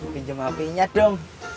pinjem hpnya dong